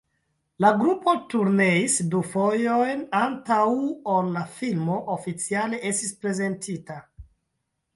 La grupo turneis du fojojn, antaŭ ol la filmo oficiale estis prezentita.